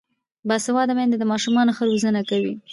باسواده میندې د ماشومانو ښه روزنه کوي.